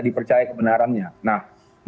dipercaya kebenarannya nah